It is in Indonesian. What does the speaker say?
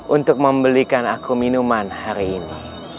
untuk membelikan aku minuman hari ini